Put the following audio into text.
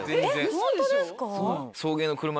えっホントですか？